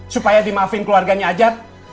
supaya dimaafin keluarganya ajat